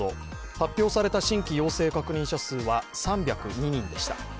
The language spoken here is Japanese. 発表された新規陽性確認者数は３０２人でした。